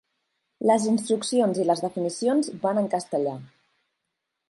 Les instruccions i les definicions van en castellà.